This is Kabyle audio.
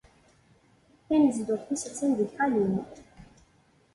Tanezduɣt-is a-tt-an di Calim.